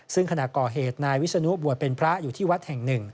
ซึ่งขณะก่อเหตุนายวิศนุบวชเป็นพระอยู่ที่วัดแห่งหนึ่ง